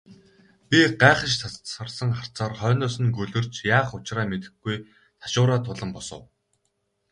Би гайхаш тасарсан харцаар хойноос нь гөлөрч, яах учраа мэдэхгүй ташуураа тулан босов.